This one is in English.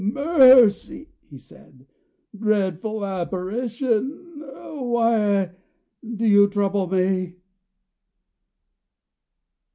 "Mercy!" he said, "Dreadful apparition, why do you trouble me?"